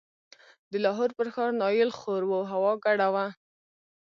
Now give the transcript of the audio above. د لاهور پر ښار نایل خور و، هوا ګډه وه.